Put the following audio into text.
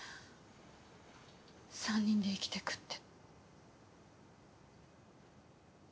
３人で生きてくって。